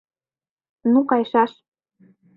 Ну, кайышаш.